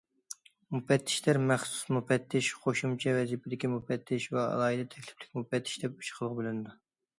مۇپەتتىشلەر مەخسۇس مۇپەتتىش، قوشۇمچە ۋەزىپىدىكى مۇپەتتىش ۋە ئالاھىدە تەكلىپلىك مۇپەتتىش دەپ ئۈچ خىلغا بۆلۈنىدۇ.